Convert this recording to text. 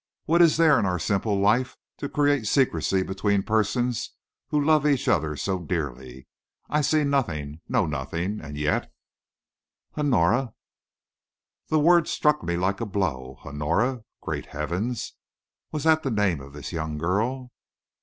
What is there in our simple life to create secrecy between persons who love each other so dearly? I see nothing, know nothing; and yet " "Honora!" The word struck me like a blow. "Honora!" Great heaven! was that the name of this young girl?